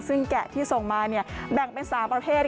ซึ่งแกะที่ส่งมาแบ่งเป็น๓ประเภท